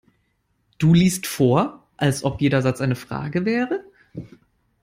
Du liest vor, als ob jeder Satz eine Frage wäre.